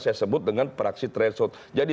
saya sebut dengan praksi threshold jadi